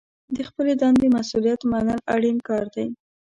د خپلې دندې مسوولیت منل اړین کار دی.